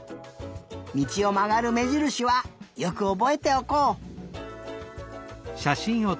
みちをまがるめじるしはよくおぼえておこう！